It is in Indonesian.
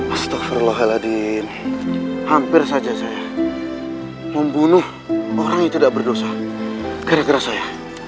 astagrahaladin hampir saja saya membunuh orang yang tidak berdosa gara gara saya